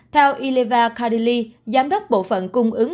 theo ileva khadili giám đốc bộ phận cung ương